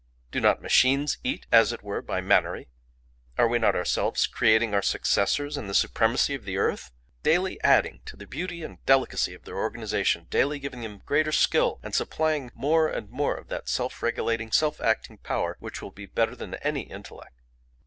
Do not machines eat as it were by mannery? Are we not ourselves creating our successors in the supremacy of the earth? daily adding to the beauty and delicacy of their organisation, daily giving them greater skill and supplying more and more of that self regulating self acting power which will be better than any intellect?